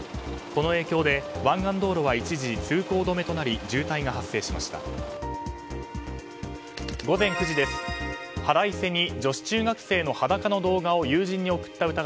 この影響で湾岸道路は一時通行止めとなり渋滞が発生しました。